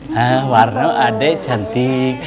hah warno adik cantik